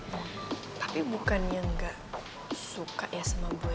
papi bukannya gak suka ya sama boy